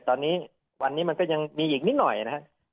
ตอนนี้วันนี้มันก็ยังมีอีกนิดหน่อยนะครับ